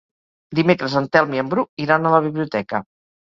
Dimecres en Telm i en Bru iran a la biblioteca.